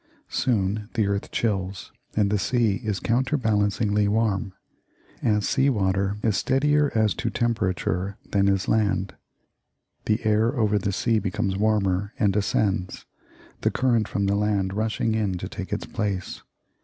Soon the earth chills, and the sea is counterbalancingly warm as sea water is steadier as to temperature than is land the air over the sea becomes warmer, and ascends, the current from the land rushing in to take its place.